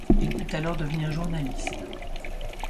Il put alors devenir journaliste.